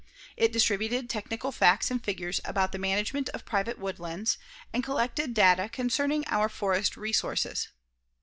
It distributed technical facts and figures about the management of private woodlands and collected data concerning our forest resources.